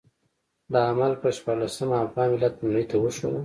د حمل پر شپاړلسمه افغان ملت نړۍ ته وښوده.